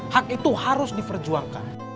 hak itu harus diperjuangkan